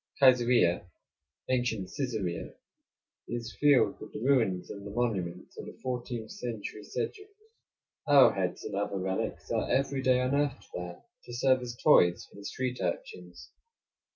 Kaisarieh (ancient Csesarea) is filled with the ruins and the monuments of the fourteenth century Seljuks. Arrowheads and other relics are every day unearthed there, to serve as toys for the street urchins.